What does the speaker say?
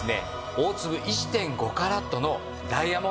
大粒１．５カラットのダイヤモンドです。